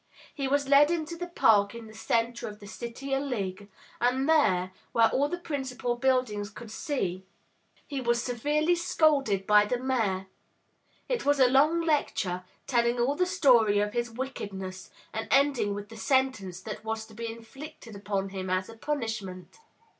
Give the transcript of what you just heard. He was led into the Park in the center of the City o' Ligg, and there, where all the pnncipal buildings could see, he was severely scolded 67 M Y BOOK HOUSE by the Mayor. It was a long lecture, telling all the story of his wickedness, and ending with the sentence that was to be inflicted upon him as a punishment.